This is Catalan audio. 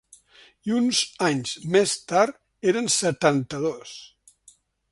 I uns anys més tard eren setanta-dos.